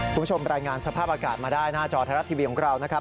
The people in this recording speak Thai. คุณผู้ชมรายงานสภาพอากาศมาได้หน้าจอไทยรัฐทีวีของเรานะครับ